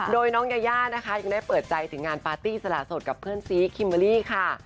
โดยน้องยายานะคะยังได้เปิดใจถึงงานปาร์ตี้สละสดกับเพื่อนซีคิมเบอร์รี่ค่ะ